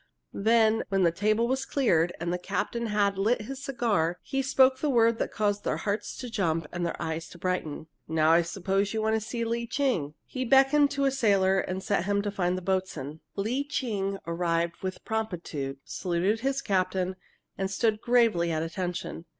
Then, when the table was cleared and the captain had lit his cigar, he spoke the word that caused their hearts to jump and their eyes to brighten: "Now I suppose you want to see Lee Ching!" He beckoned to a sailor and sent him to find the boatswain. Lee Ching arrived with promptitude, saluted his captain, and stood gravely at attention.